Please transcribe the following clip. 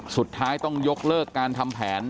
สุดท้ายต้องยกเลิกการทำแผน